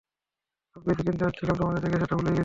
আমি কিছু কিনতে আসছিলাম তোমাদের দেখে সেটা ভুলেই গেছি।